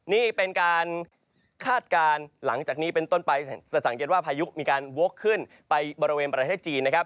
นี่เป็นการคาดการณ์หลังจากนี้เป็นต้นไปจะสังเกตว่าพายุมีการวกขึ้นไปบริเวณประเทศจีนนะครับ